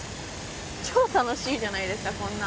超楽しいじゃないですかこんなの。